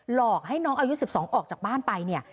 หลอกให้น้องอายุ๑๒ออกจากบ้านไปเนี่ย